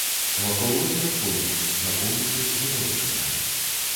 Вакол возера пойма, на поўначы забалочаная.